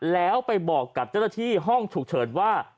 แล้วไปบอกกับเจ้าหน้าที่ห้องฉุกเฉินว่า